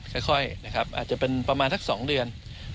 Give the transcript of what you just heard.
จะมาต้นประมาณ๒เดือน